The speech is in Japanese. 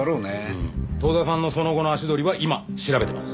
遠田さんのその後の足取りは今調べてます。